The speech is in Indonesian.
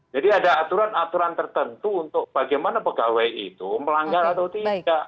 jadi ada aturan aturan tertentu untuk bagaimana pegawai itu melanggar atau tidak